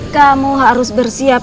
kamu harus bersiap